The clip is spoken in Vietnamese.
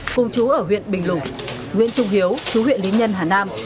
cùng chú ở huyện bình lục nguyễn trung hiếu chú huyện lý nhân hà nam